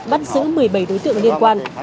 bắt giữ một mươi bảy đối tượng liên quan